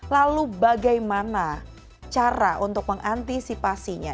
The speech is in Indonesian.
lalu bagaimana cara untuk mengantisipasinya